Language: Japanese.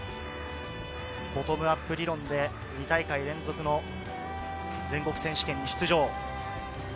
ボトムアップ理論で２大会連続の全国選手権出場。